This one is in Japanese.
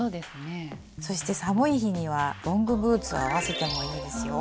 そして寒い日にはロングブーツを合わせてもいいですよ。